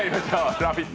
「ラヴィット！」